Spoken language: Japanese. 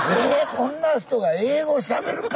こんな人が英語しゃべるか？